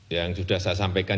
yang sudah saya sampaikan